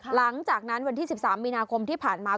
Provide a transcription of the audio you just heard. หลังจากนั้นวันที่๑๓มีนาคมที่ผ่านมา